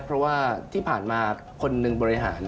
เพราะว่าที่ผ่านมาคนหนึ่งบริหาร